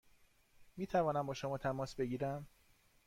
می توانم با شما تماس بگیرم؟